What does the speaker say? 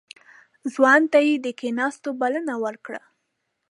ځوان ته يې د کېناستو بلنه ورکړه.